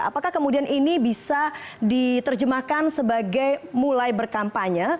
apakah kemudian ini bisa diterjemahkan sebagai mulai berkampanye